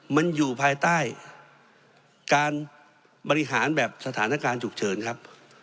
มันอยู่ภายใต้การบริหารแบบสถานการณ์ฉุกเฉินครับ